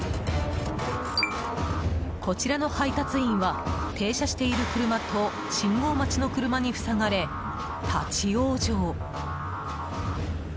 こちらの配達員は停車している車と信号待ちの車に塞がれ、立ち往生。